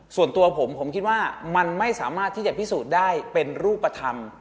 ส่วนตัวผมผมคิดว่ามันไม่สามารถที่จะพิสูจน์ได้เป็นรูปธรรม